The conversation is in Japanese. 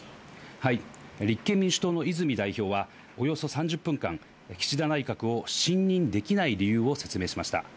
立憲民主党の泉代表は、およそ３０分間、岸田内閣を信任できない理由を説明しました。